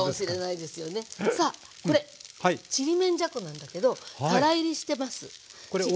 さあこれちりめんじゃこなんだけどからいりしてます。